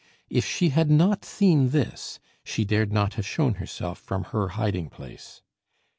If she had not seen this, she dared not have shown herself from her hiding place.